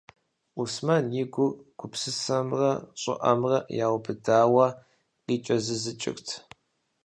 Уэсмэн и гур гупсысэмрэ щӀыӀэмрэ яубыдауэ къикӀэзызыкӀырт.